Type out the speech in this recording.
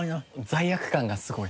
罪悪感がすごい。